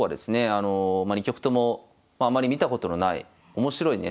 あの２局ともあまり見たことのない面白いね